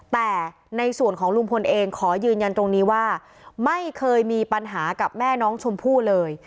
แต่ในส่วนของลุงพลเองขอยืนยันตรงนี้ว่าไม่เคยมีปัญหากับแม่น้องชมพู่เลย